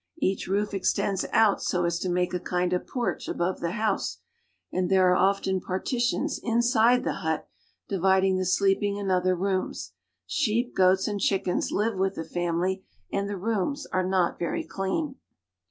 Each roof extends out so as to make a kind of porch about the house, and there are often partitions inside the hut dividing the sleeping and other rooms. Sheep, goats, and chickens live with the family, and the rooms are lOt very clean.